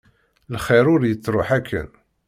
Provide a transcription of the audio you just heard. Lxir ur yettruḥ akken.